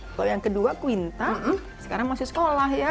kalau yang kedua quinta sekarang masih sekolah ya